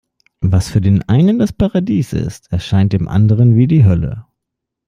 Was für den einen das Paradies ist, erscheint dem anderem wie die Hölle.